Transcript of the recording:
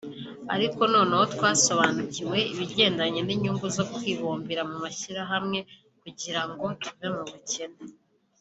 Ariko noneho twasobanukiwe ibigendanye n’inyungu zo kwibumbira mu mashyirahamwe kugira ngo tuve mu bukene